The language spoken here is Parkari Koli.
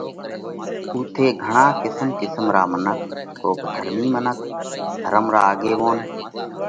اُوٿئہ گھڻا قِسم قِسم را منک، ڪوڪ ڌرمِي منک، ڌرم را آڳيوونَ،